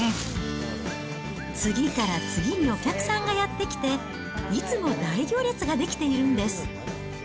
次から次にお客さんがやって来て、いつも大行列が出来ているんです。